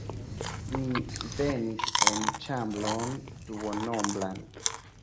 Ni venis en ĉambron duonombran.